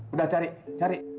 udah cari cari